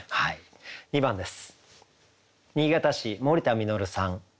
２番です。